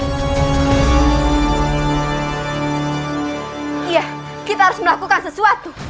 iya kita harus melakukan sesuatu